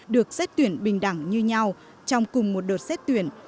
được xét tuyển bình đẳng như nhau trong cùng một đợt xét tuyển